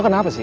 lu kenapa sih